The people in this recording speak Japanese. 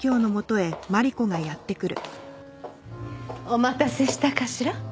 お待たせしたかしら？